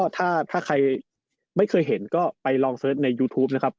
ถ้าใครไม่เคยเห็นก็ไปลองเสิร์ชในยูทูปนะครับ